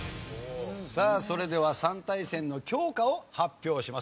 さあそれでは３対戦の教科を発表します。